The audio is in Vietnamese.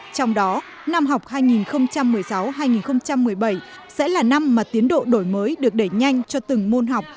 trong đó năm học hai nghìn một mươi sáu hai nghìn một mươi bảy sẽ là năm mà tiến độ đổi mới được đẩy nhanh cho từng môn học